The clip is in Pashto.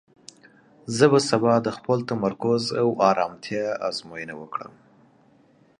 زه به سبا د خپل تمرکز او ارامتیا ازموینه وکړم.